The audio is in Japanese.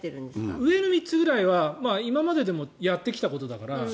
上の３つくらいは今まででもやってきたことだから。